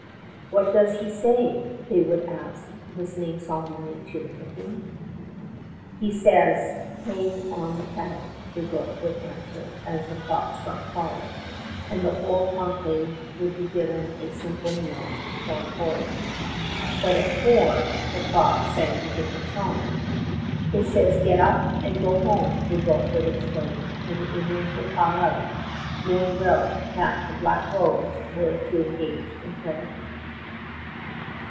"What does he say?" they would ask, listening solemnly to the ticking. "He says 'Hang on the kettle,'" Brébeuf would answer as the clock struck twelve, and the whole conclave would be given a simple meal of corn porridge; but at four the clock sang a different song. "It says 'Get up and go home,'" Brébeuf would explain, and the Indians would file out, knowing well that the Black Robes were to engage in prayer.